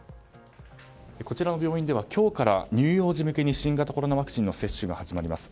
こちらの病院では今日から乳幼児向けに新型コロナワクチンの接種が始まります。